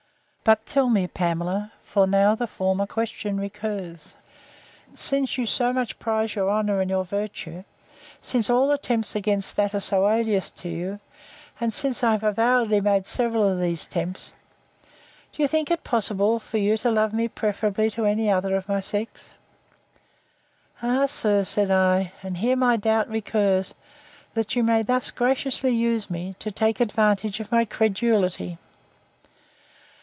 But tell me, Pamela, for now the former question recurs: Since you so much prize your honour, and your virtue; since all attempts against that are so odious to you; and since I have avowedly made several of these attempts, do you think it is possible for you to love me preferably to any other of my sex? Ah, sir! said I, and here my doubt recurs, that you may thus graciously use me, to take advantage of my credulity.